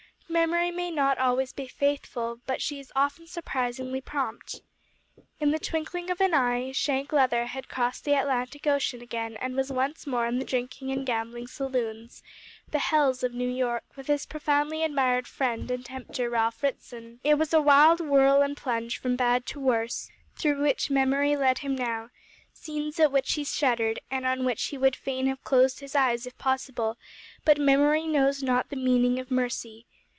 Memory may not be always faithful, but she is often surprisingly prompt. In the twinkling of an eye Shank Leather had crossed the Atlantic again and was once more in the drinking and gambling saloons the "Hells" of New York with his profoundly admired "friend" and tempter Ralph Ritson. It was a wild whirl and plunge from bad to worse through which Memory led him now scenes at which he shuddered and on which he would fain have closed his eyes if possible, but Memory knows not the meaning of mercy.